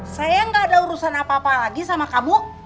saya gak ada urusan apa apa lagi sama kamu